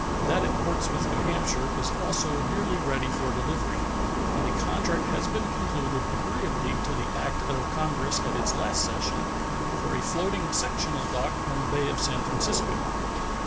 That at Portsmouth, N. H., is also nearly ready for delivery; and a contract has been concluded, agreeably to the act of Congress at its last session, for a floating sectional dock on the Bay of San Francisco.